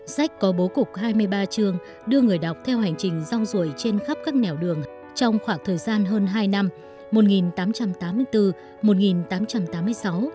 sách có bố cục hai mươi ba trường đưa người đọc theo hành trình rong rùi trên khắp các nẻo đường trong khoảng thời gian hơn hai năm